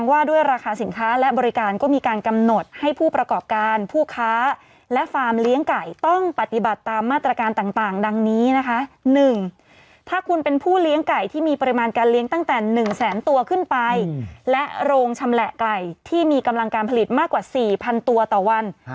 ในร่างพตบก็มีกำหนดบทลงทวดเอาไว้นะครับ